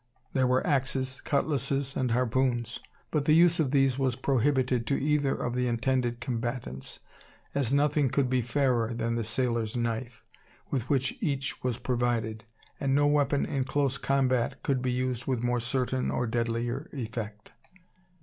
There were axes, cutlasses, and harpoons; but the use of these was prohibited to either of the intended combatants: as nothing could be fairer than the sailor's knife, with which each was provided, and no weapon in close combat could be used with more certain or deadlier effect.